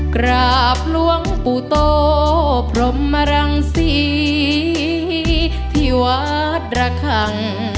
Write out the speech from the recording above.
กราบหลวงปู่โตพรมรังศรีที่วัดระคัง